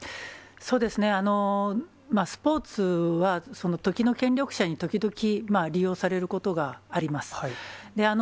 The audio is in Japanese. そうですね、スポーツはその時の権力者に時々、利用されることがあります。